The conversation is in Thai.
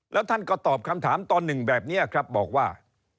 แล้วท่านก็ตอบคำถามตอนหนึ่งแบบนี้ครับบอกว่า